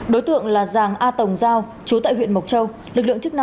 đối tượng là giàng a tồng giao trú tại huyện mộc châu